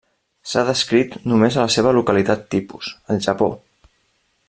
S'ha descrit només a la seva localitat tipus, al Japó.